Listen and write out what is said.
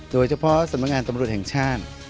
โดยเฉพาะสัมผัสนิตตำรวจแห่งชาติ